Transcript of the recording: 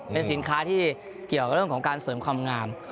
เป็นสินค้าที่เกี่ยวกับเรื่องของการเสริมความงาม